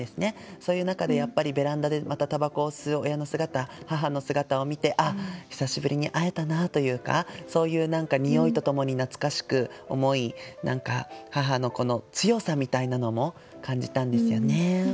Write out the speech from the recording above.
そういう中でやっぱりベランダでまた煙草を吸う親の姿母の姿を見て「ああ久しぶりに会えたな」というかそういうにおいとともに懐かしく思い母の強さみたいなのも感じたんですよね。